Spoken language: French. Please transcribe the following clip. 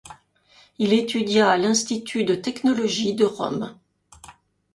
Il étudia à l'Institut de Technologie de Rome.